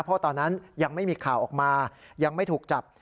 เพราะตอนนั้นยังไม่มีข่าวออกมายังไม่ถูกจับ